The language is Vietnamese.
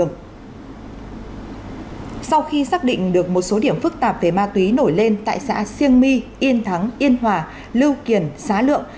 các định được một số điểm phức tạp về ma túy nổi lên tại xã siêng my yên thắng yên hòa lưu kiển xá lượng